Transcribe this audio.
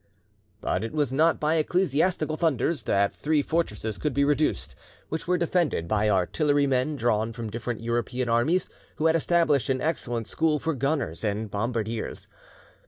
But it was not by ecclesiastical thunders that three fortresses could be reduced, which were defended by artillerymen drawn from different European armies, who had established an excellent school for gunners and bombardiers.